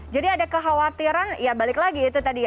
jadi ada kekhawatiran ya balik lagi itu tadi ya